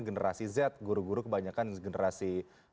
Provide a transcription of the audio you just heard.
generasi z guru guru kebanyakan generasi